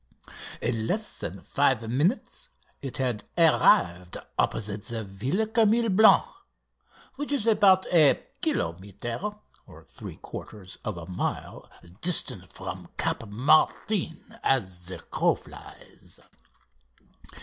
In less than five minutes it had arrived opposite the Villa Camille Blanc, which is about a kilometre (3/4 of a mile) distant from Cap Martin as the crow flies.